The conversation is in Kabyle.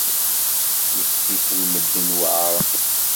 Yessi-s n medden weɛrent.